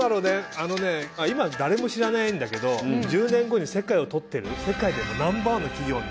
あのね今誰も知らないんだけど１０年後に世界をとってる世界でもＮｏ．１の企業の。